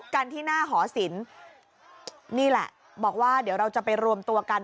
กันที่หน้าหอศิลป์นี่แหละบอกว่าเดี๋ยวเราจะไปรวมตัวกัน